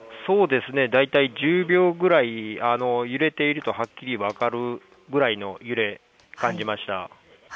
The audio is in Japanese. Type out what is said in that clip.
大体１０秒ぐらい揺れているとはっきり分かるぐらいの揺れを感じました。